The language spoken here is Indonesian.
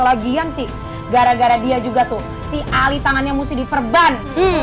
lagian sih gara gara dia juga tuh si alih tangannya mesti diperban